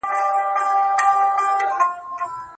که هري لیکني ته د شک په سترګه وګورې ریښتیا به ومومې.